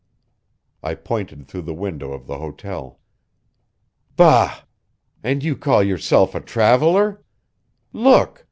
I pointed through the window of the hotel. "Bah! And you call yourself a traveler? Look!